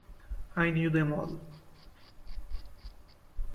I knew them all.